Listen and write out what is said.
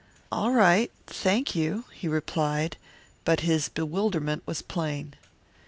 "All right, thank you," he replied, but his bewilderment was plain.